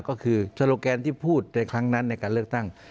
ก็คือโซโลแกนที่พูดในครั้งนั้นในการเลือกตั้ง